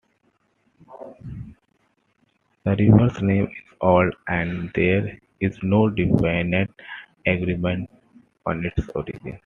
The river's name is old and there is no definite agreement on its origin.